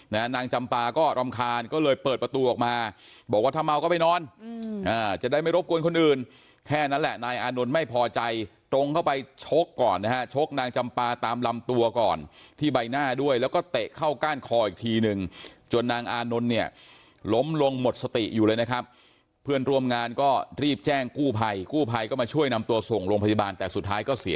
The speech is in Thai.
นางจำปาก็รำคาญก็เลยเปิดประตูออกมาบอกว่าถ้าเมาก็ไปนอนจะได้ไม่รบกวนคนอื่นแค่นั้นแหละนายอานนท์ไม่พอใจตรงเข้าไปชกก่อนนะฮะชกนางจำปาตามลำตัวก่อนที่ใบหน้าด้วยแล้วก็เตะเข้าก้านคออีกทีนึงจนนางอานนท์เนี่ยล้มลงหมดสติอยู่เลยนะครับเพื่อนร่วมงานก็รีบแจ้งกู้ภัยกู้ภัยก็มาช่วยนำตัวส่งโรงพยาบาลแต่สุดท้ายก็เสีย